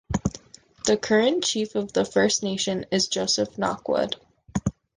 The current Chief of the First Nation is Joseph Knockwood.